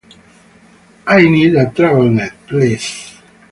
I need a travelnet, please.